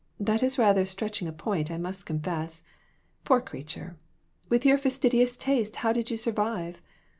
That is rather stretching a point, I must confess. Poor creat ure ! With your fastidious tastes, how did you sur vive?